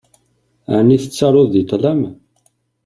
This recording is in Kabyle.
Ɛni tettaruḍ deg ṭṭlam?